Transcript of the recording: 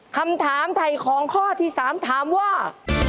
คำถามไถ่ของข้อที่๓ถามว่า